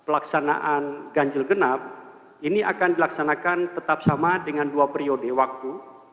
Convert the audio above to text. pelaksanaan ganjil genap ini akan dilaksanakan tetap sama dengan dua periode waktu